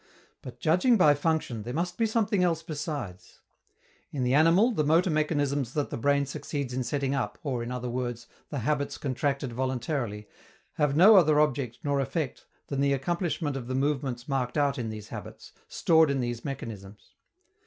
But, judging by function, there must be something else besides. In the animal, the motor mechanisms that the brain succeeds in setting up, or, in other words, the habits contracted voluntarily, have no other object nor effect than the accomplishment of the movements marked out in these habits, stored in these mechanisms.